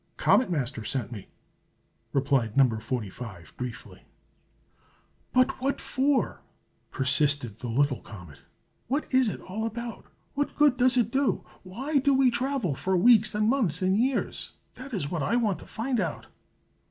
"Comet Master sent me!" replied No. 45, briefly. "But what for?" persisted the little comet. "What is it all about? What good does it do? Why do we travel for weeks and months and years? That's what I want to find out."